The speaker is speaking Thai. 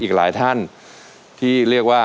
อีกหลายท่านที่เรียกว่า